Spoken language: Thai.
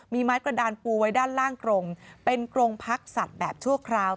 มีไม้กระดานปูไว้ด้านล่างกรงเป็นกรงพักสัตว์แบบชั่วคราว